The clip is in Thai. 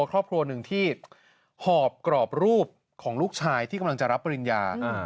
ครอบครัวหนึ่งที่หอบกรอบรูปของลูกชายที่กำลังจะรับปริญญา